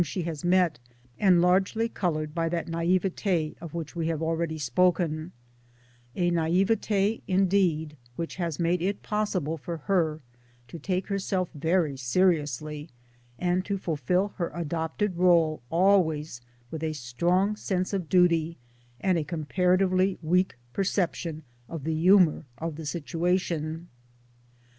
1 she has met, and largely coloured by that naivete* of which we have already spoken a naivete* indeed which has made it possible for her to take herself very seriously and to fulfil her adopted role always with a strong sense of duty and a comparatively weak perception of the humour of the situation.